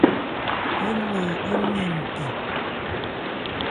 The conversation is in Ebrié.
Ńnɛn ń ni npi.